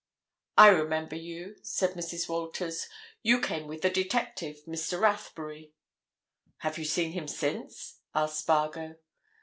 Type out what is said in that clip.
"I remember you," said Mrs. Walters; "you came with the detective—Mr. Rathbury." "Have you seen him, since?" asked Spargo.